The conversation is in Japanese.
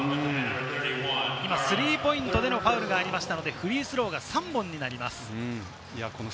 スリーポイントでのファウルがありましたので、フリースローが３本になります。